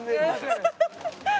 ハハハハ！